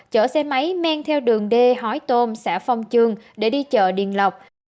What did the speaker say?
chở xe máy men theo đường d hói tôm xã phong trương để đi chợ điền lộc